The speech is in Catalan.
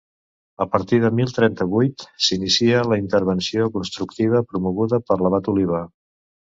A partir de mil trenta-vuit, s'inicià la intervenció constructiva promoguda per l'abat Oliba.